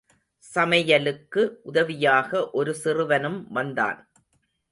சமையலுக்கு உதவியாக ஒரு சிறுவனும் வந்தான்.